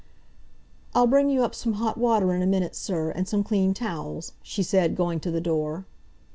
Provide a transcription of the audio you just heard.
"I'll bring you up some hot water in a minute, sir, and some clean towels," she said, going to the door.